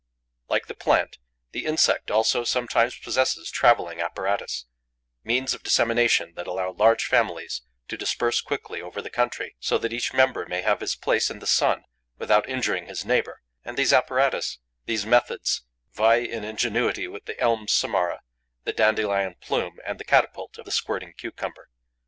Like the plant, the insect also sometimes possesses travelling apparatus, means of dissemination that allow large families to disperse quickly over the country, so that each member may have his place in the sun without injuring his neighbour; and these apparatus, these methods vie in ingenuity with the elm's samara, the dandelion plume and the catapult of the squirting cucumber.